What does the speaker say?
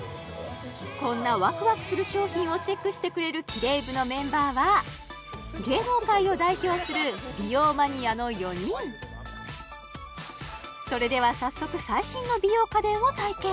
こんなワクワクする商品をチェックしてくれるキレイ部のメンバーは芸能界を代表する美容マニアの４人それでは早速最新の美容家電を体験